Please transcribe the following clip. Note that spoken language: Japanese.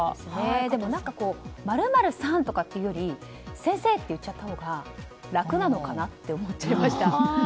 でも、○○さんと言うより先生と言っちゃったほうが楽なのかなって思っちゃいました。